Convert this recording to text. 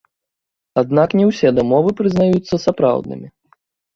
Аднак не ўсе дамовы прызнаюцца сапраўднымі.